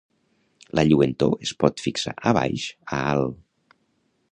La lluentor es pot fixar a baix a alt.